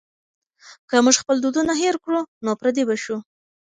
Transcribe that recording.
که موږ خپل دودونه هېر کړو نو پردي به شو.